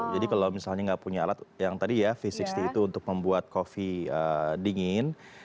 jadi kalau misalnya tidak punya alat yang tadi ya v enam puluh itu untuk membuat kopi dingin